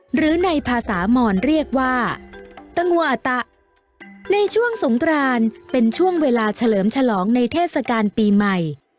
หรือในภาษามอนเรียกว่าตังวาตะในช่วงสงกรานเป็นช่วงเวลาเฉลิมฉลองในเทศกาลปีใหม่